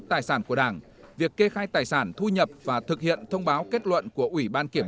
tài sản của đảng việc kê khai tài sản thu nhập và thực hiện thông báo kết luận của ủy ban kiểm